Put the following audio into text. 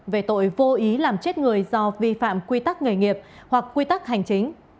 về tội vô ý làm chết người do vi phạm quy tắc nghề nghiệp hoặc quy tắc hành chính